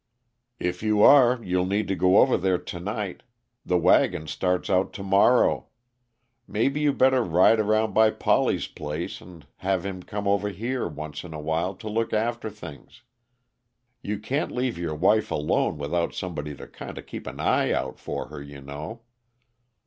"If you are, you'll need to go over there to night the wagons start out to morrow. Maybe you better ride around by Polly's place and have him come over here, once in a while, to look after things. You can't leave your wife alone without somebody to kinda keep an eye out for her, you know.